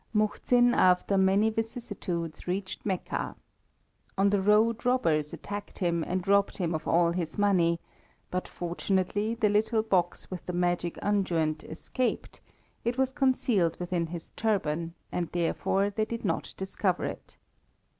Muhzin, after many vicissitudes, reached Mecca. On the road robbers attacked him, and robbed him of all his money, but, fortunately, the little box with the magic unguent escaped; it was concealed within his turban, and therefore they did not discover it.